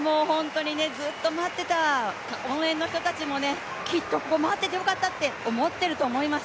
ずっと待っていた応援の人たちもきっと待っててよかったって思ってると思います。